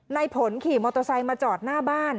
ในผลขี่มอเตอร์ไซค์มาจอดหน้าบ้าน